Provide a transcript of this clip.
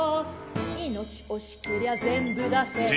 命惜しけりゃ、全部出せ。